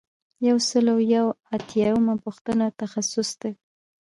یو سل او یو اتیایمه پوښتنه تخصیص دی.